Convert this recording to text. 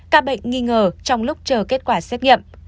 các bệnh nghi ngờ trong lúc chờ kết quả xét nghiệm